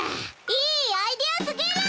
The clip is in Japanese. いいアイデアすぎる！